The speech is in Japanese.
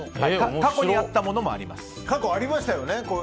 過去ありましたよね。